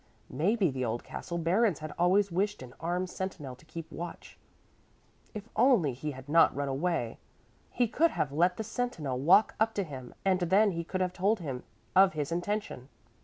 May be the old castle barons had always wished an armed sentinel to keep watch. If only he had not run away! He could have let the sentinel walk up to him and then he could have told him of his intention.